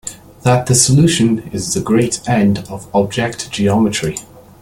That the solution is the great end and object of geometry.